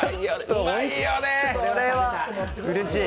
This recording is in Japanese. これはうれしい。